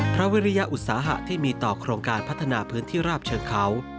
วิริยอุตสาหะที่มีต่อโครงการพัฒนาพื้นที่ราบเชิงเขา